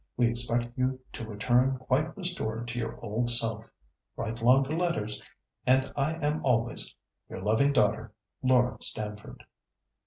We expect you to return quite restored to your old self. Write longer letters, and I am always, "Your loving daughter, "LAURA STAMFORD."